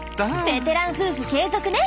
ベテラン夫婦継続ね。